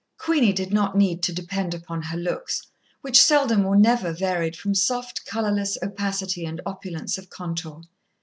Queenie did not need to depend upon her looks, which seldom or never varied from soft, colourless opacity and opulence of contour.